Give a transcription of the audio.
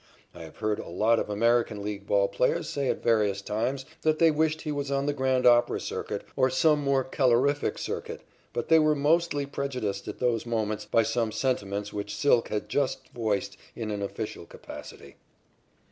I have heard a lot of American League ball players say at various times that they wished he was on the grand opera circuit or some more calorific circuit, but they were mostly prejudiced at those moments by some sentiments which "Silk" had just voiced in an official capacity.